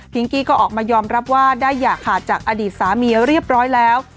กี้ก็ออกมายอมรับว่าได้อย่าขาดจากอดีตสามีเรียบร้อยแล้ว